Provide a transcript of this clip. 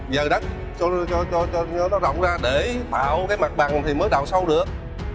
giờ đất cho nó rộng ra để bạo mặt bằng mới đào sâu được